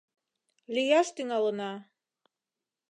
Лӱяш тӱҥалына!..